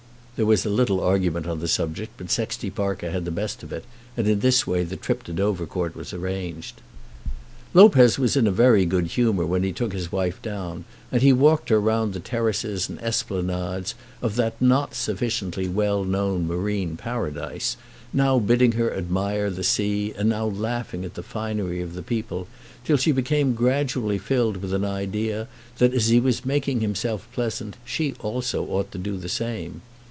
There was a little argument on the subject, but Sexty Parker had the best of it, and in this way the trip to Dovercourt was arranged. Lopez was in a very good humour when he took his wife down, and he walked her round the terraces and esplanades of that not sufficiently well known marine paradise, now bidding her admire the sea and now laughing at the finery of the people, till she became gradually filled with an idea that as he was making himself pleasant, she also ought to do the same.